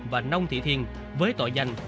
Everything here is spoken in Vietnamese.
và nông thị thiên với tội danh